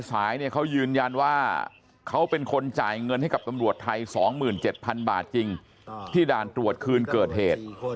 สายเนี่ยเขายืนยันว่าเขาเป็นคนจ่ายเงินให้กับตำรวจไทย๒๗๐๐บาทจริงที่ด่านตรวจคืนเกิดเหตุ